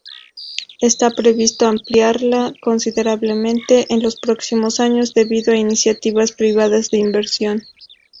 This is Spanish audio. Está previsto ampliarla considerablemente en los próximos años debido a iniciativas privadas de inversión.